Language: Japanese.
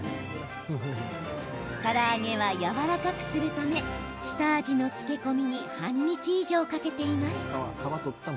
から揚げは、やわらかくするため下味の漬け込みに半日以上かけています。